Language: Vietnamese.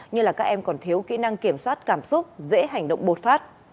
như là các em còn thiếu kỹ năng kiểm soát cảm xúc dễ hành động bột phát